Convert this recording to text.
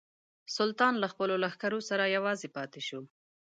سلطان له خپلو لښکرو سره یوازې پاته شو.